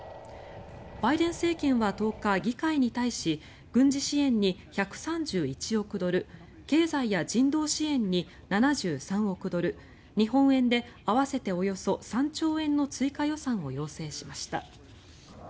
バイデン政権は１０日議会に対し軍事支援に１３１億ドル経済や人道支援に７３億ドル日本円で合わせておよそ３兆円の追加予算を要請しました。